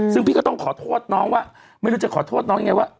ซึ่งพี่ก็ต้องขอโทษน้องว่าไม่รู้จะขอโทษน้องยังไงว่า